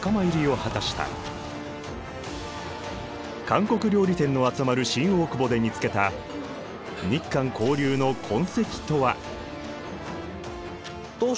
韓国料理店の集まる新大久保で見つけた日韓交流の痕跡とは？